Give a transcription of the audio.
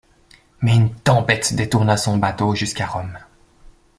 Mais une tempête détourna son bateau jusqu'à Rome.